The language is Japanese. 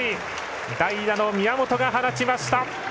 代打の宮本が放ちました。